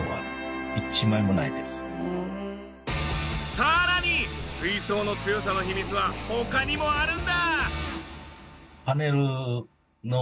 さらに水槽の強さの秘密は他にもあるんだ！